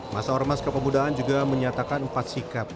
masa orang mas kepemudaan juga menyatakan empat sikap